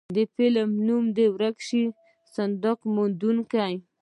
د فلم نوم و د ورک شوي صندوق موندونکي.